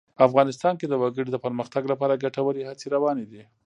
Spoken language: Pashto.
افغانستان کې د وګړي د پرمختګ لپاره ګټورې هڅې روانې دي.